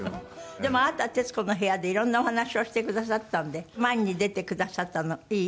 でもあなたは『徹子の部屋』でいろんなお話をしてくださったんで前に出てくださったのいい？